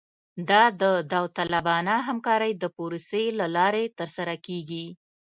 دا د داوطلبانه همکارۍ د پروسې له لارې ترسره کیږي